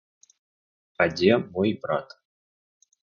А дзе мой брат?